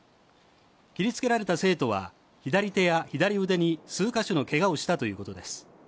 切りつけられた生徒は左手や左腕に数か所のけがをしたということです。